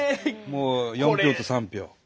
もう４票と３票。